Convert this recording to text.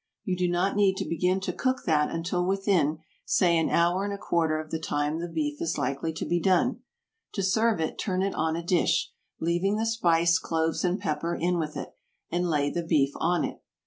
You do not need to begin to cook that until within, say an hour and a quarter of the time the beef is likely to be done. To serve it, turn it on a dish, leaving the spice, cloves and pepper in with it, and lay the beef on it.